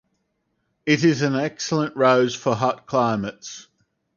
It is an excellent rose for hot climates.